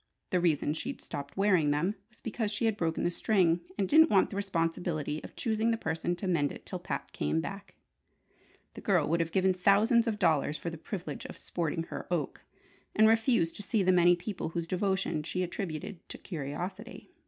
The reason she'd stopped wearing them was because she had broken the string, and didn't want the responsibility of choosing the person to mend it till Pat came back. The girl would have given thousands of dollars for the privilege of "sporting her oak," and refusing to see the many people whose devotion she attributed to curiosity.